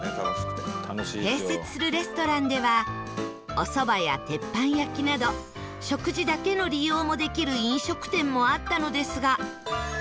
併設するレストランではお蕎麦や鉄板焼きなど食事だけの利用もできる飲食店もあったのですが